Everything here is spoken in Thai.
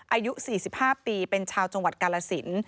อายุ๔๕ปีเป็นชาวจังหวัดกาลสิน